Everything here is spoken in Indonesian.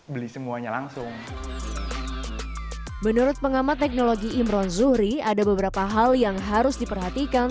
beli semuanya langsung menurut pengamat teknologi imron zuhri ada beberapa hal yang harus diperhatikan